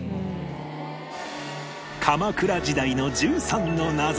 鎌倉時代の１３の謎